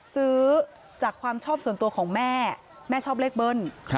ซื้อจากความชอบส่วนตัวของแม่แม่ชอบเลขเบิ้ล